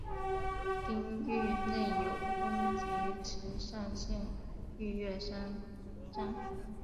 町域内有东急池上线御岳山站。